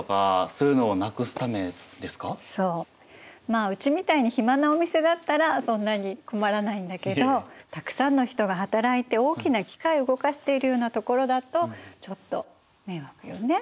まあうちみたいに暇なお店だったらそんなに困らないんだけどたくさんの人が働いて大きな機械を動かしているようなところだとちょっと迷惑よね。